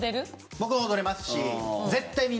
僕は踊れますし。